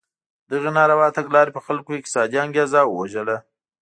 دغې ناروا تګلارې په خلکو کې اقتصادي انګېزه ووژله.